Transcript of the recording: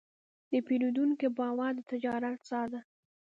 د پیرودونکي باور د تجارت ساه ده.